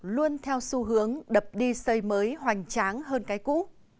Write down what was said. luôn theo xu hướng đập đi xây mới hoành tráng hơn cái cũ